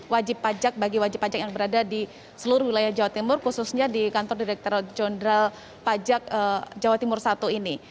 wajib pajak bagi wajib pajak yang berada di seluruh wilayah jawa timur khususnya di kantor direkturat jenderal pajak jawa timur satu ini